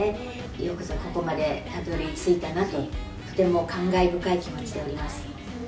よくぞここまでたどりついたなと、とても感慨深い気持ちでおります。